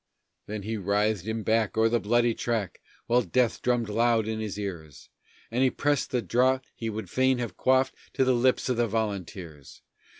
Then he writhed him back o'er the bloody track, while Death drummed loud in his ears, And pressed the draught he would fain have quaffed to the lips of the volunteers.